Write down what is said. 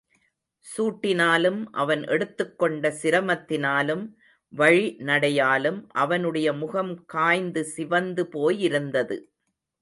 சூட்டினாலும், அவன் எடுத்துக் கொண்ட சிரமத்தினாலும், வழி நடையாலும் அவனுடைய முகம் காய்ந்து சிவந்து போயிருந்தது.